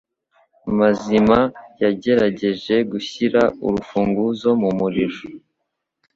Mazima yagerageje gushyira urufunguzo mumuriro.